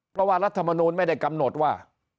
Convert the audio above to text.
เพราะว่ารัฐมนูลไม่ได้กำหนดว่า